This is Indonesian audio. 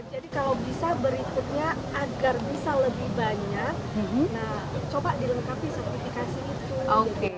jadi kalau bisa berikutnya agar bisa lebih banyak